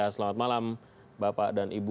selamat malam bapak dan ibu